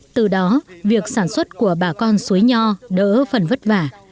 từ đó việc sản xuất của bà con suối nho đỡ phần vất vả